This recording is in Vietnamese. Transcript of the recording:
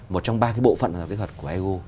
một trong ba cái bộ phận hàng rào kỹ thuật của eu